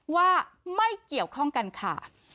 ว่าไม่เกี่ยวข้องกันขาด